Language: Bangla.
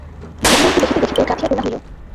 ভগ্ন অংশ দেখিতে দেখিতে গাঁথিয়া তোলা হইল।